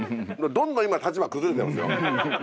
どんどん今立場崩れてますよ。